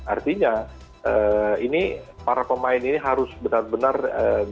artinya ini para pemain ini harus benar benar bisa